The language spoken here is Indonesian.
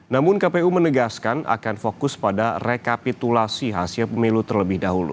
namun kpu menegaskan akan fokus pada rekapitulasi hasil pemilu terlebih dahulu